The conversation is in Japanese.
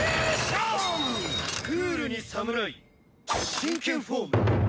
クールに侍シンケンフォーム。